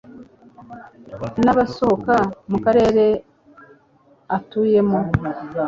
n'abasohoka mu Karere atuyemo